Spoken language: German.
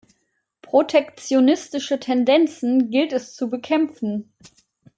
Protektionistische Tendenzen gilt es zu bekämpfen.